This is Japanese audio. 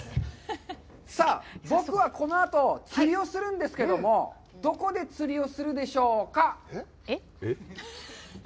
さあ、僕はこのあと、釣りをするんですけれども、どこで釣りをするでしょうか。